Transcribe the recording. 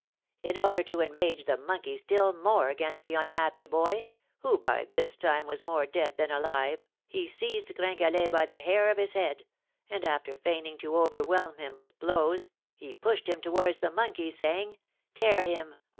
In order to enrage the monkey still more against the unhappy boy, who by this time was more dead than alive, he seized Gringalet by the hair of his head, and, after feigning to overwhelm him with blows, he pushed him towards the monkey, saying, 'Tear him!